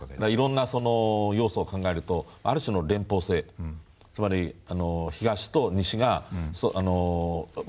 いろんな要素を考えるとある種の連邦制つまり東と西が。